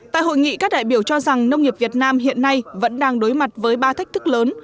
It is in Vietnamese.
tại hội nghị các đại biểu cho rằng nông nghiệp việt nam hiện nay vẫn đang đối mặt với ba thách thức lớn